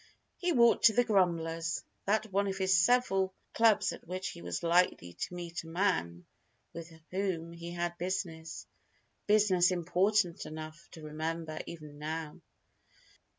He walked to the "Grumblers," that one of his several clubs at which he was likely to meet a man with whom he had business business important enough to remember even now.